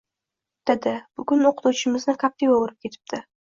- Dada bugun o'qituvchimizni kaptiva urib ketibdi!